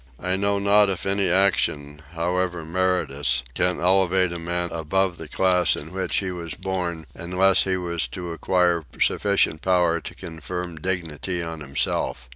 I know not if any action, however meritorious, can elevate a man above the class in which he was born unless he were to acquire sufficient power to confer dignity on himself.